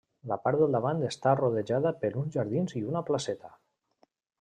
La part del davant està rodejada per uns jardins i una placeta.